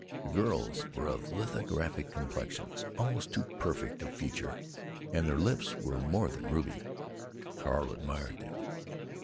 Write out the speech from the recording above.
The girls were of lithographic complexions, almost too perfect of feature, and their lips were more than ruby. Carl admired them.